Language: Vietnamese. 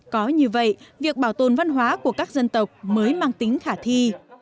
có như vậy việc bảo tồn văn hóa của các dân tộc mới mang tính khả thi